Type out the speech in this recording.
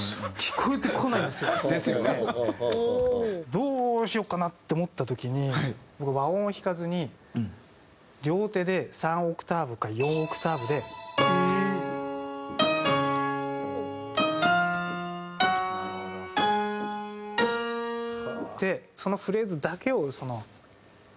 どうしようかなって思った時に僕和音を弾かずに両手で３オクターブか４オクターブで。ってそのフレーズだけを演奏してましたね。